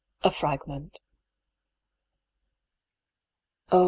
A FRAGMENT. " Oh